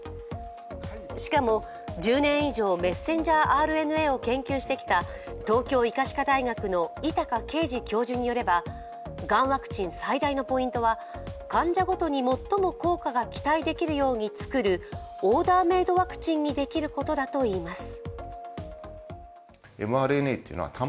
しかも、１０年以上メッセンジャーＲＮＡを研究してきた東京医科歯科大学の位高啓史教授によればがんワクチン最大のポイントは患者ごとに最も効果が期待できるようにつくるオーダーメイドワクチンにできることだといいます。